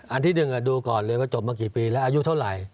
อันที่๑ดูก่อนเลยว่าจบมากี่ปีแล้วอายุเท่าไหร่